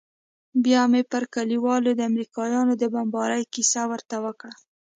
بيا مې پر كليوالو د امريکايانو د بمبارۍ كيسه ورته وكړه.